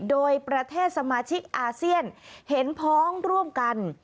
โดยประเทศสมาชิกอาเซียนเห็นพ้องร่วมกัน